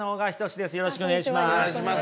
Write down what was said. よろしくお願いします。